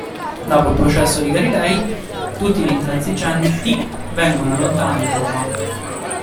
Dopo il processo di Galilei tutti gli intransigenti vengono allontanati da Roma.